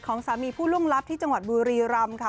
สามีผู้ล่วงลับที่จังหวัดบุรีรำค่ะ